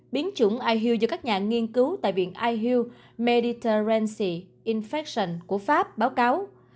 biến chủng ihu do các nhà nghiên cứu tại viện ihu mediterranean infection của pháp báo cáo